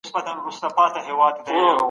د اخترونو ورځو کي سوله وه.